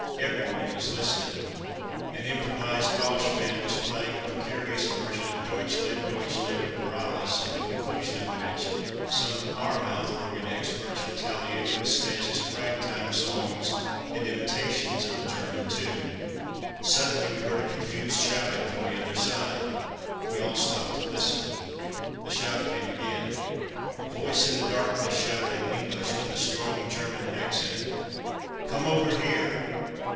Everyone was listening. An improvised Boche band was playing a precarious version of "Deutschland, Deutschland, uber Alles," at the conclusion of which, some of our mouth organ experts retaliated with snatches of ragtime songs and imitations of the German tune. Suddenly we heard a confused shouting from the other side. We all stopped to listen. The shout came again. A voice in the darkness shouted in English, with a strong German accent, "Come over here!"